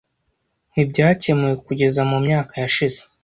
ntibyakemuwe kugeza mu myaka yashize.